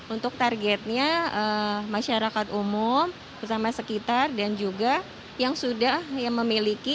untuk targetnya masyarakat umum terutama sekitar dan juga yang sudah memiliki